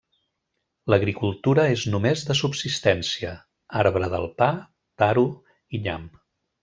L'agricultura és només de subsistència: arbre del pa, taro i nyam.